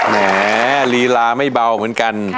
แหมลีลาไม่เบาเหมือนกัน